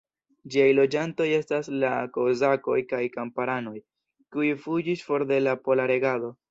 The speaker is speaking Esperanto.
Ĝiaj loĝantoj estis la kozakoj kaj kamparanoj, kiuj fuĝis for de la pola regado.